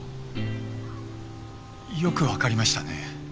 よくわかりましたね。